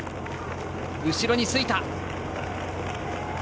後ろについた。